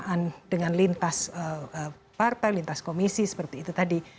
pelaksanaan dengan lintas partai lintas komisi seperti itu tadi